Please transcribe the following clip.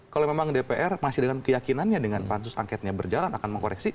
kalau memang dpr masih dengan keyakinannya dengan pansus angketnya berjalan akan mengkoreksi